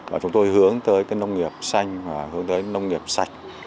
và chúng tôi hướng tới cái nông nghiệp xanh và hướng tới nông nghiệp sạch